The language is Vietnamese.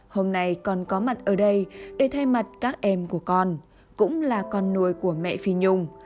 hôm nay con có mặt ở đây để thay mặt các em của con cũng là con nuôi của mẹ phi nhung